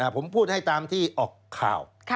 ผมพูดให้ตามที่ออกข่าว